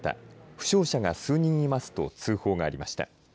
負傷者が数人いますと通報がありました。